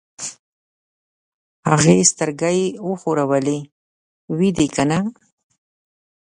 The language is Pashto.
هغه سترګۍ وښورولې: وي دې کنه؟